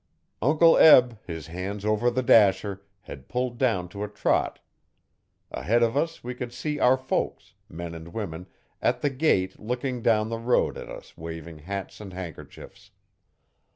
Uncle Eb, his hands over the dasher, had pulled down to a trot Ahead of us we could see our folks men and women at the gate looking down the road at us waving hats and handkerchiefs.